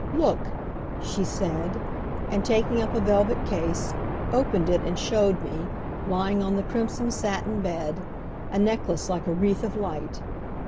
"Look," she said, and taking up a velvet case, opened it, and showed me, lying on the crimson satin bed, a necklace like a wreath of light.